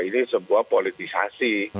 ini sebuah politisasi